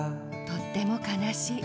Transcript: とってもかなしい。